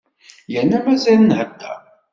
Yerna mazal nhedder.